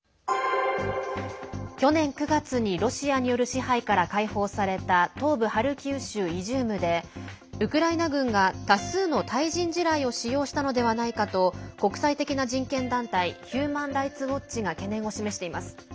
去年９月にロシアによる支配から解放された東部ハルキウ州イジュームでウクライナ軍が多数の対人地雷を使用したのではないかと国際的な人権団体ヒューマン・ライツ・ウォッチが懸念を示しています。